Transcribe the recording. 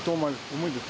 重いです。